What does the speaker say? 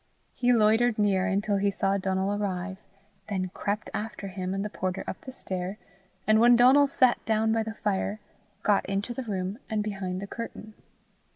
He loitered near until he saw Donal arrive, then crept after him and the porter up the stair, and when Donal sat down by the fire, got into the room and behind the curtain.